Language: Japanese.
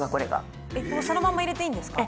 そのまんま入れていいんですか？